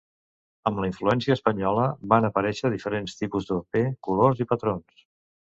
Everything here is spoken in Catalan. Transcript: Amb la influència espanyola van aparèixer diferents tipus de paper, colors i patrons.